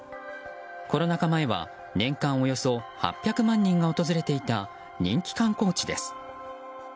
コロナ禍前は年間およそ８００万人が訪れていた人気観光地です。